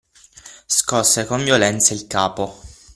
Scosse con violenza il capo.